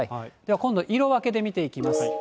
今度、色分けで見ていきます。